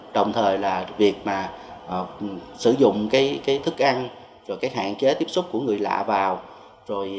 đồng thời việc sử dụng thức ăn hạn chế tiếp xúc của người lạ vào